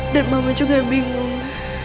dan mama juga bingung